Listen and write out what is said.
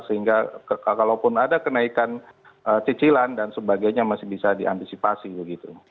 sehingga kalaupun ada kenaikan cicilan dan sebagainya masih bisa diantisipasi begitu